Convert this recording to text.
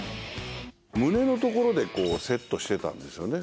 胸のところでセットしてたんですよね。